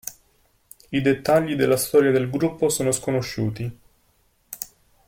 I dettagli della storia del gruppo sono sconosciuti.